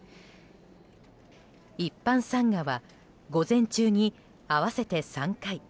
一般参賀は午前中に合わせて３回。